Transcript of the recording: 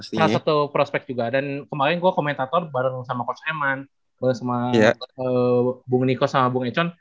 salah satu prospek juga dan kemarin gue komentator bareng sama coach eman bersama bung niko sama bung econ